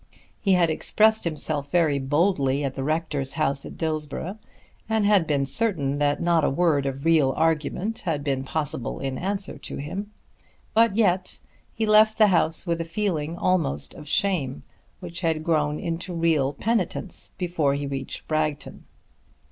He had expressed himself very boldly at the rector's house at Dillsborough, and had been certain that not a word of real argument had been possible in answer to him. But yet he left the house with a feeling almost of shame, which had grown into real penitence before he reached Bragton.